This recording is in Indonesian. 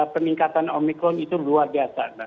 peningkatan omikron itu luar biasa